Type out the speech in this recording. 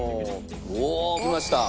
おおきました！